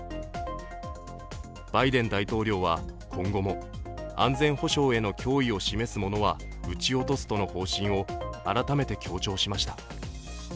バイデン大統領は、今後も安全保障への脅威を示すものは撃ち落とすとの方針を改めて強調しました。